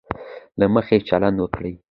له مخي چلند وکړي.